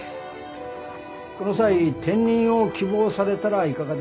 この際転任を希望されたらいかがですか？